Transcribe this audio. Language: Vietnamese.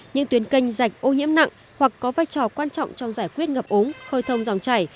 những tuyến canh rạch ô nhiễm nặng hoặc có vai trò quan trọng trong giải quyết ngập ống khơi thông dòng chảy